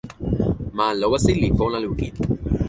ma Lowasi li pona lukin.